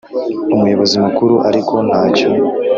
umuyobozi mukuru ariko ntacyo